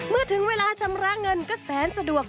เมื่อถึงเวลาชำระเงินก็แสนสะดวก